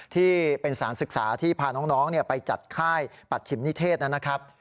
ที่เป็นสารศึกษาที่พาน้องไปจัดค่ายปัชชิมนิเทศนะครับ